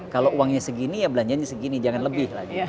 kalau uangnya segini ya belanjanya segini jangan lebih lagi